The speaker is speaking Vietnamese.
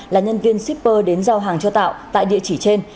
là nhân viên shipper đến giao hàng cho tạo tại địa chỉ trên